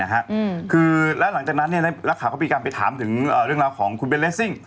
หลังจากนั้นและถามถามข้อปรีกราศาสตร์เรื่องของเบ้นเรซซิ่ง